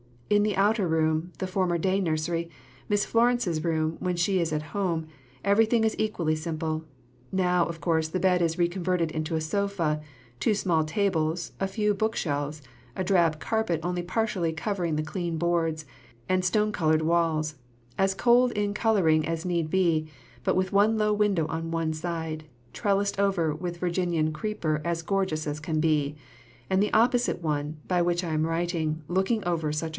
In the outer room the former day nursery Miss Florence's room when she is at home, everything is equally simple; now, of course, the bed is reconverted into a sofa; two small tables, a few bookshelves, a drab carpet only partially covering the clean boards, and stone coloured walls as cold in colouring as need be, but with one low window on one side, trellised over with Virginian creeper as gorgeous as can be; and the opposite one, by which I am writing, looking over such country!"